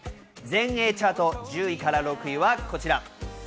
全英チャート１０位から６位はこちら。